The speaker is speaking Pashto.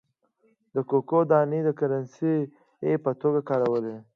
د ککو دانې د کرنسۍ په توګه کارولې.